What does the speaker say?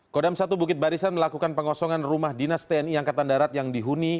kodam satu bukit barisan melakukan pengosongan rumah dinas tni angkatan darat yang dihuni